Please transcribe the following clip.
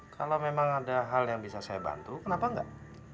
kalau memang ada hal yang bisa saya bantu kenapa enggak